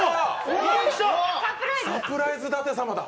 サプライズ舘様だ！